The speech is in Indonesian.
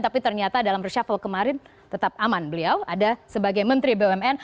tapi ternyata dalam reshuffle kemarin tetap aman beliau ada sebagai menteri bumn